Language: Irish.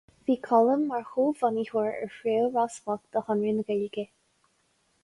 Bhí Colm mar chomhbhunaitheoir ar chraobh Ros Muc de Chonradh na Gaeilge.